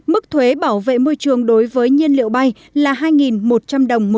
mức thuế bảo vệ môi trường đối với nhiên liệu bay là hai một trăm linh đồng một